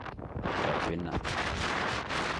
Eg er ei kvinne